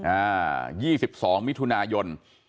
อ่าอ่าโห๒๒มิถุหนายนท์